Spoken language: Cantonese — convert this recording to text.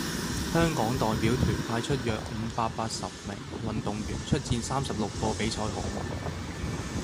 香港代表團派出約五百八十名運動員出戰三十六個比賽項目